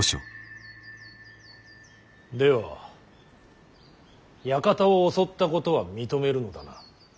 では館を襲ったことは認めるのだな。